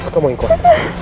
kamu yang kuat